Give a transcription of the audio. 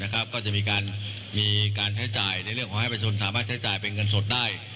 ก็จะมีการใช้จ่ายในเรื่องของให้ประชาชนสามารถใช้จ่ายเป็นเงินสดได้